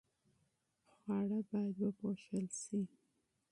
خواړه باید وپوښل شي.